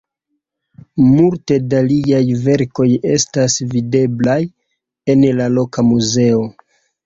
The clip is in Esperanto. Multe da liaj verkoj estas videblaj en la loka muzeo.